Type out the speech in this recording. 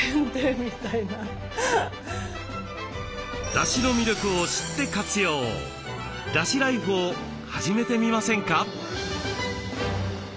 だしの魅力を知って活用！だしライフを始めてみませんか？